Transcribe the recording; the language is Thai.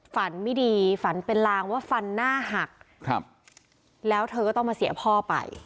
ฝันไม่ดีฝันเป็นลางว่าฟันหน้าหักแล้วเธอก็ต้องมาเสียพ่อไป